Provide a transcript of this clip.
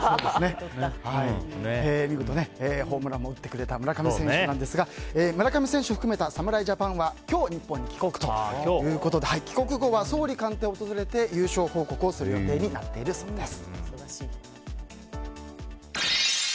見事、ホームランも打ってくれた村上選手ですが村上選手を含めた侍ジャパンは今日、日本に帰国ということで帰国後は総理官邸を訪れて優勝報告をする予定になっているそうです。